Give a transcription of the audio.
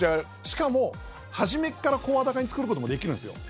しかも始めっから声高に作ることもできるんですよ。